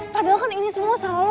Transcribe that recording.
padahal kan ini semua salah lo